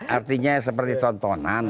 artinya seperti tontonan